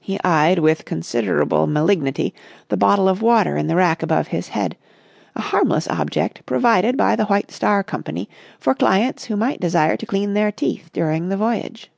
He eyed with considerable malignity the bottle of water in the rack above his head, a harmless object provided by the White Star Company for clients who might desire to clean their teeth during the voyage.